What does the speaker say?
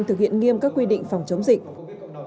thực hiện nghiêm các quy định phòng chống dịch